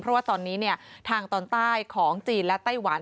เพราะว่าตอนนี้ทางตอนใต้ของจีนและไต้หวัน